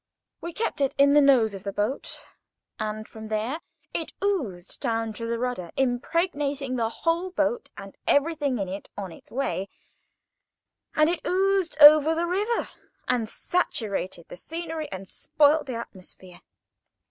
We kept it in the nose of the boat, and, from there, it oozed down to the rudder, impregnating the whole boat and everything in it on its way, and it oozed over the river, and saturated the scenery and spoilt the atmosphere.